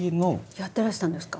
やってらしたんですか？